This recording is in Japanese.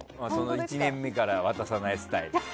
１年目から渡さないスタイル。